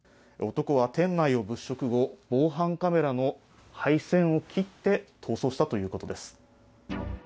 男は店内を物色後、防犯カメラの配線を切って逃走したということです。